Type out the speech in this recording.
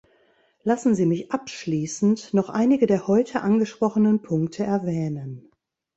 Lassen Sie mich abschließend noch einige der heute angesprochenen Punkte erwähnen.